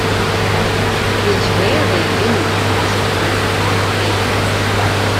It is rarely used as an actual title.